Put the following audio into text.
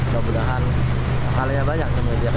semoga halnya banyak